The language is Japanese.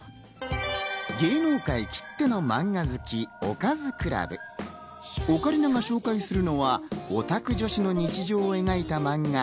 芸能界きっての漫画好き、おかずクラブ・オカリナが紹介するのはオタク女子の日常を描いた漫画『２ＤＫ』。